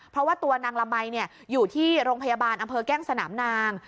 เพราะว่าตัวนางละมัยอยู่ที่โรงพยาบาลอำเภอแก้งสนามนาง